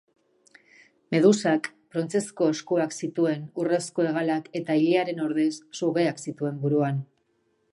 Medusak brontzezko eskuak zituen, urrezko hegalak eta ilearen ordez sugeak zituen buruan.